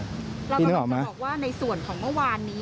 เรากำลังจะบอกว่าในส่วนของเมื่อวานนี้